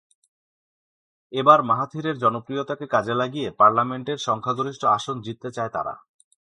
এবার মাহাথিরের জনপ্রিয়তাকে কাজে লাগিয়ে পার্লামেন্টের সংখ্যাগরিষ্ঠ আসন জিততে চায় তারা।